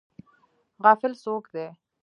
غافل څوک دی؟